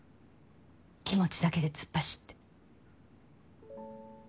気持ちだけで突っ走って。